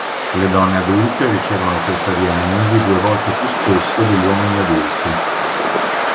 Le donne adulte ricevono questa diagnosi due volte più spesso degli uomini adulti.